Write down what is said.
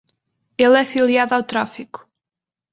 Ele é filiado ao tráfico.